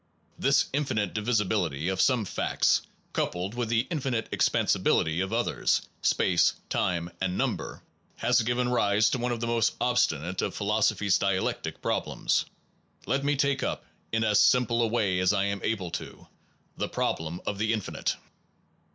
This infinite divisibil ity of some facts, coupled with the infinite .expansibility of others (space, time, and num ber) has given rise to one of the most obstinate ,of philosophy s dialectic problems. Let me take up, in as simple a way as I am able to, the problem of the infinite.